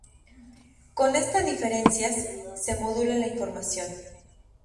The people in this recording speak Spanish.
Con esta diferencias se modula la información.